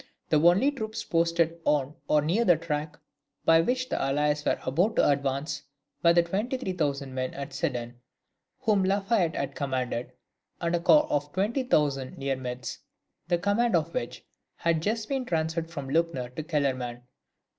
The only troops posted on or near the track by which the allies were about to advance, were the twenty three thousand men at Sedan, whom La Fayette had commanded, and a corps of twenty thousand near Metz, the command of which had just been transferred from Luckner to Kellerman.